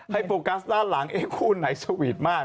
โฟกัสด้านหลังคู่ไหนสวีทมาก